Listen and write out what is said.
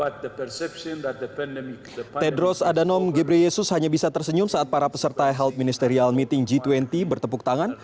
tedros adhanom gebreyesus hanya bisa tersenyum saat para peserta health ministerial meeting g dua puluh bertepuk tangan